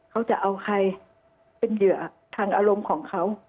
เขาจะเอาใครเป็นเหยื่อทางอารมณ์ของเขา